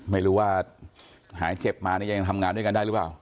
ไม่รู้ว่าหายเจ็บมาเนี่ยยังทำงานด้วยกันได้หรือเปล่า